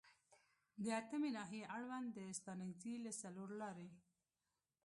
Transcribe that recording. د اتمې ناحیې اړوند د ستانکزي له څلورلارې